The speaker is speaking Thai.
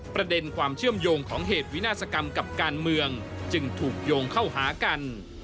ประเด็นความเชื่อมโยงของเหตุวินาศกรรมกับการเมืองจึงถูกโยงเข้าหากัน